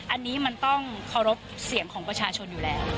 อันนี้มันต้องเคารพเสียงของประชาชนอยู่แล้ว